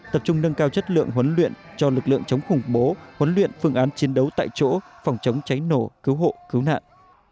tập trung nâng cao chất lượng huấn luyện cho lực lượng chống khủng bố huấn luyện phương án chiến đấu tại chỗ phòng chống cháy nổ cứu hộ cứu nạn